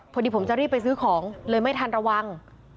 พอดีผมจะรีบไปซื้อของเลยไม่ทันระวัง